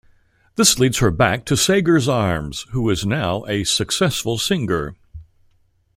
This leads her back to Sagar's arms, who is now a successful singer.